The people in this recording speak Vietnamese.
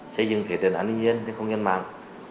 xây dựng thể tình an ninh nhân không nhân mạng